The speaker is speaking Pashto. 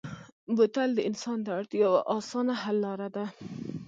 بوتل د انسان د اړتیا یوه اسانه حل لاره ده.